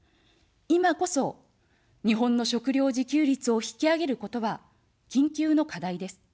いまこそ、日本の食料自給率を引き上げることは、緊急の課題です。